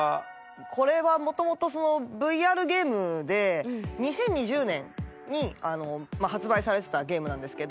これはもともとそのＶＲゲームで２０２０年に発売されてたゲームなんですけど。